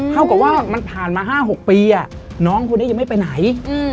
เท่ากับว่ามันผ่านมา๕๖ปีน้องคนนี้ยังไม่ไปไหน